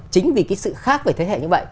chính vì cái sự khác về thế hệ như vậy